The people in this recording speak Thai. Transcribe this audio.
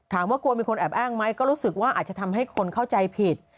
กลัวมีคนแอบอ้างไหมก็รู้สึกว่าอาจจะทำให้คนเข้าใจผิด